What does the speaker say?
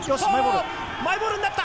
マイボールになった！